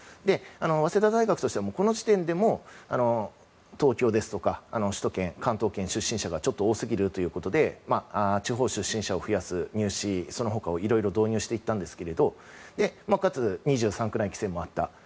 早稲田大学としてはこの時点でも、東京ですとか首都圏、関東圏出身者が多すぎるということで地方出身者を増やす入試など導入していきましてかつ、２３区内の規制もあった。